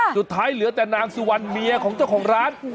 ค่ะสุดท้ายเหลือแต่นางสุวรรค์เมียของเจ้าของร้าน